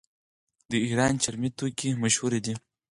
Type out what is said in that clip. د ایران چرمي توکي مشهور دي.